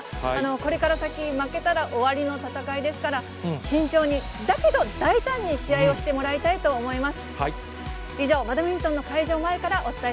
これから先、負けたら終わりの戦いですから、慎重にだけど、大胆に試合をしてもらいたいと思います。